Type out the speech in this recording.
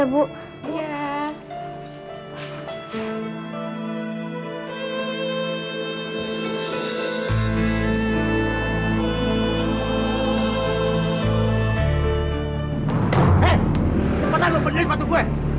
hei cepetan lu kembali nilai sepatu gue